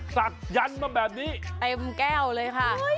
ศักดันมาแบบนี้เต็มแก้วเลยค่ะ